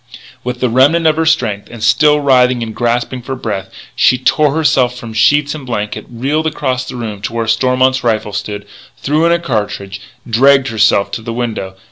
With the remnant of her strength, and still writhing and gasping for breath, she tore herself from the sheets and blankets, reeled across the room to where Stormont's rifle stood, threw in a cartridge, dragged herself to the window.